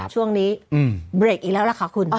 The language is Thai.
ช่วงนี้เบรกอีกแล้วล่ะค่ะคุณ